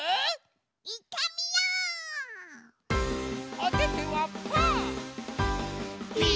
おててはパー。